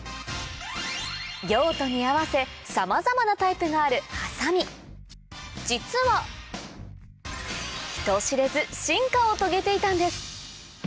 用途に合わせさまざまなタイプがある実は人知れず進化を遂げていたんです